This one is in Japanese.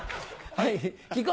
はい。